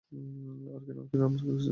আর নাম কী রেখেছিল?